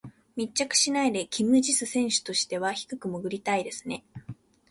密着しないでキム・ジス選手としては低く潜りたいですね。